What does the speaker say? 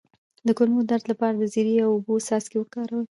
د کولمو د درد لپاره د زیرې او اوبو څاڅکي وکاروئ